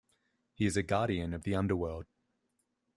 He is a guardian of the underworld.